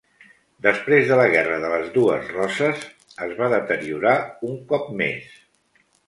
Després de la Guerra de les Dues Roses, es va deteriorar un cop més.